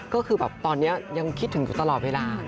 ก็คือแบบตอนนี้ยังคิดถึงอยู่ตลอดเวลา